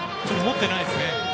ちょっと持ってないですね。